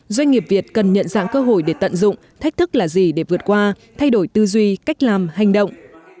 doanh nghiệp việt cần nhận dạng cơ hội để tận dụng thách thức là gì để vượt qua thay đổi tư duy cách làm hành động